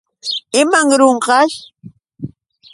¿Imanrunqaćh?